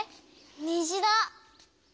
にじだ！